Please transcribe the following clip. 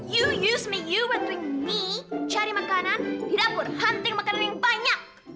you yus me you menteri me cari makanan di dapur hunting makanan yang banyak